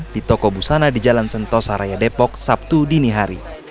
di toko busana di jalan sentosa raya depok sabtu dini hari